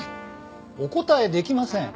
お答え出来ません。